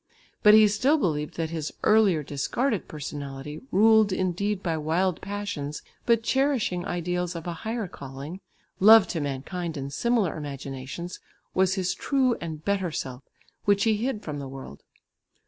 But he still believed that his earlier discarded personality, ruled indeed by wild passions, but cherishing ideals of a higher calling, love to mankind and similar imaginations, was his true and better self which he hid from the world.